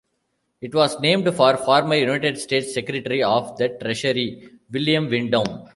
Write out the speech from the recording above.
It was named for former United States Secretary of the Treasury, William Windom.